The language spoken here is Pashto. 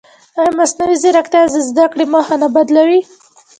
ایا مصنوعي ځیرکتیا د زده کړې موخه نه بدلوي؟